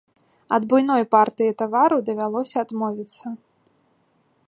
Ад буйной партыі тавару давялося адмовіцца.